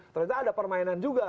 ternyata ada permainan juga